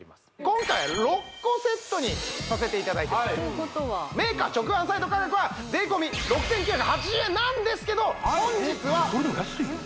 今回６個セットにさせていただいてますということはメーカー直販サイト価格は税込６９８０円なんですけど本日はそれでも安いよ